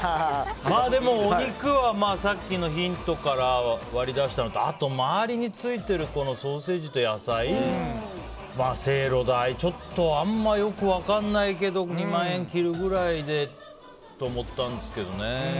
でも、お肉はさっきのヒントから割り出したのとあと、周りについてるソーセージと野菜せいろ代、あまりよく分からないけど２万円切るぐらいでと思ったんですけどね。